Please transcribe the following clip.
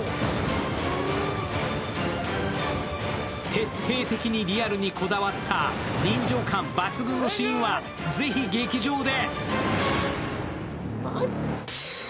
徹底的にリアルにこだわった臨場感抜群のシーンはぜひ、劇場で。